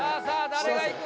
誰がいく？